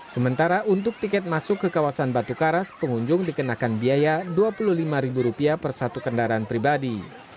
sementara untuk tiket masuk ke kawasan batu karas pengunjung dikenakan biaya rp dua puluh lima per satu kendaraan pribadi